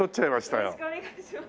よろしくお願いします。